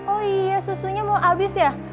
oh iya susunya mau habis ya